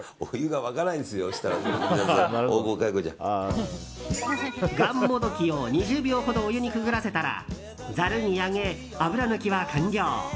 がんもどきを２０秒ほどお湯にくぐらせたらざるに上げ、油抜きは完了。